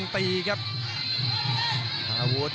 กำปั้นขวาสายวัดระยะไปเรื่อย